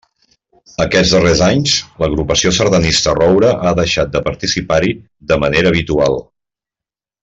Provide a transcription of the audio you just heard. Aquests darrers anys, l'Agrupació Sardanista Roure ha deixat de participar-hi de manera habitual.